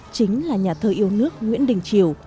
chính là nhà thơ yêu nước nguyễn đình triều